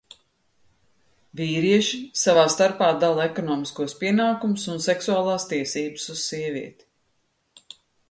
Vīrieši savā starpā dala ekonomiskos pienākumus un seksuālās tiesības uz sievieti.